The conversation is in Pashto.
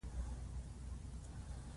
دښتې د اقتصادي ودې لپاره ارزښت لري.